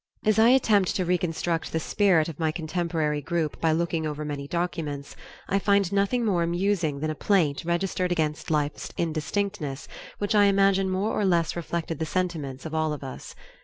As I attempt to reconstruct the spirit of my contemporary group by looking over many documents, I find nothing more amusing than a plaint registered against life's indistinctness, which I imagine more or less reflected the sentiments of all of us.